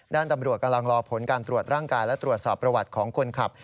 ด้านตำรวจกำลังรอผลการตรวจร่างกายและตรวจสอบประวัติของคนขับ